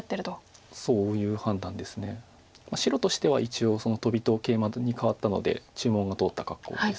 白としては一応トビとケイマに換わったので注文が通った格好です。